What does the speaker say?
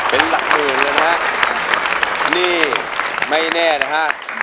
เป็นหลักหมื่นเลยนะฮะนี่ไม่แน่นะฮะ